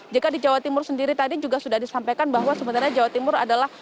jika di jawa timur sendiri tadi juga sudah disampaikan bahwa sebenarnya jawa timur adalah